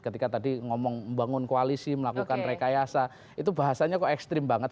ketika tadi ngomong membangun koalisi melakukan rekayasa itu bahasanya kok ekstrim banget